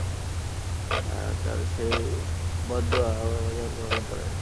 কারণ সেই বদ দুআ আর আল্লাহর মাঝে কোন অন্তরায় নেই।